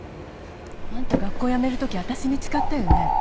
あんた学校辞めるとき私に誓ったよね？